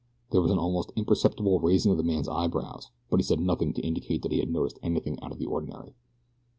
There was an almost imperceptible raising of the man's eyebrows; but he said nothing to indicate that he had noticed anything out of the ordinary.